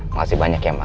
makasih banyak ya ma